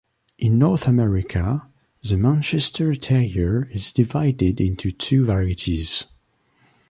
In North America, the Manchester terrier is divided into two varieties.